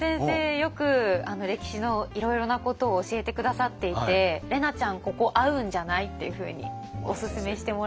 よく歴史のいろいろなことを教えて下さっていて「怜奈ちゃんここ合うんじゃない？」っていうふうにおすすめしてもらいました。